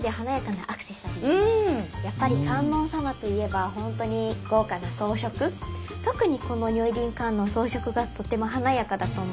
やっぱり観音様といえばほんとに特にこの如意輪観音装飾がとても華やかだと思うんですけど。